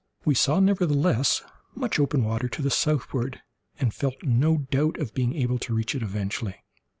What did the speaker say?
We saw, nevertheless, much open water to the southward, and felt no doubt of being able to reach it eventually.